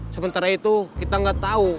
sebentar itu kita gak tau